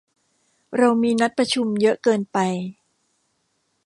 เรามีนัดประชุมเยอะเกินไป